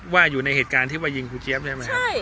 ว่าอยู่ในเหตุการณ์ที่ว่ายิงหูเจี๊ยบใช่ไหมใช่ไม่ไม่เชื่อหรอก